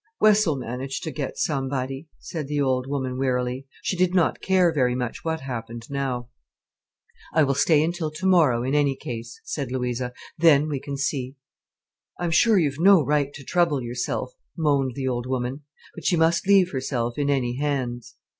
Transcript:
"Wes'll manage to get somebody," said the old woman wearily. She did not care very much what happened, now. "I will stay until tomorrow, in any case," said Louisa. "Then we can see." "I'm sure you've no right to trouble yourself," moaned the old woman. But she must leave herself in any hands.